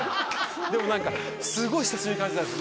でも何かすごい久しぶりに感じたんです